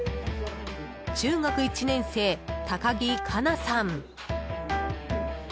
中学１年生、高木奏さん。